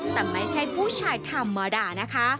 แต่ไม่ใช่ผู้ชายธรรมดานะคะ